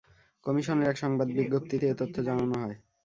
কমিশনের এক সংবাদ বিজ্ঞপ্তিতে এ তথ্য জানানো হয়েছে।